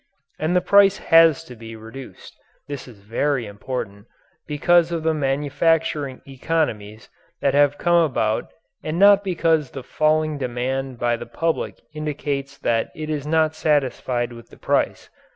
And the price has to be reduced (this is very important) because of the manufacturing economies that have come about and not because the falling demand by the public indicates that it is not satisfied with the price.